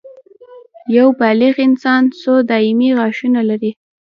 یو بالغ انسان څو دایمي غاښونه لري